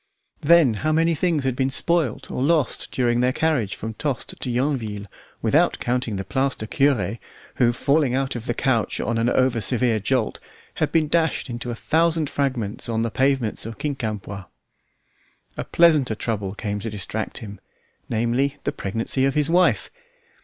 Then how many things had been spoilt or lost during their carriage from Tostes to Yonville, without counting the plaster cure, who falling out of the coach at an over severe jolt, had been dashed into a thousand fragments on the pavements of Quincampoix! A pleasanter trouble came to distract him, namely, the pregnancy of his wife.